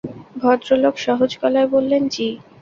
ভদ্রলোক সহজ গলায় বললেন, জ্বি।